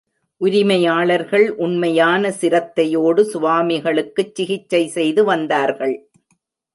உரிமையாளர்கள் உண்மையான சிரத்தையோடு சுவாமிகளுக்குச் சிகிச்சை செய்து வந்தார்கள்.